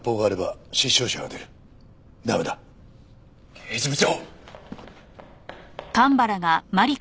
刑事部長！